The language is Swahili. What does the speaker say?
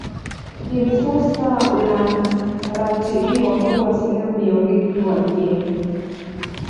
Hivi sasa unaratibiwa kuwa sehemu ya Urithi wa dunia